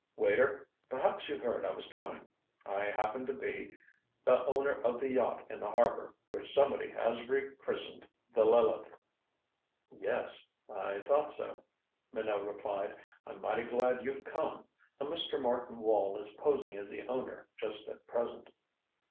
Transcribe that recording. Waiter? Perhaps you heard I was coming. I happen to be the owner of the yacht in the harbor, which somebody has rechristened the Lileth." "Yes I thought so," Minot replied. "I'm mighty glad you've come. A Mr. Martin Wall is posing as the owner just at present."